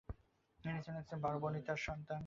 তিনি ছিলেন একজন বারবণিতার সন্তান।